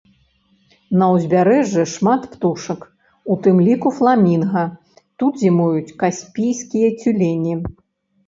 На ўзбярэжжы шмат птушак, у тым ліку фламінга, тут зімуюць каспійскія цюлені.